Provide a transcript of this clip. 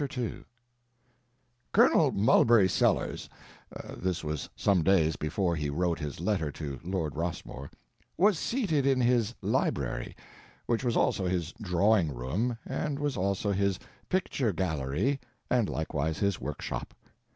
jpg (32K) Colonel Mulberry Sellers—this was some days before he wrote his letter to Lord Rossmore—was seated in his "library," which was also his "drawing room" and was also his "picture gallery" and likewise his "work shop."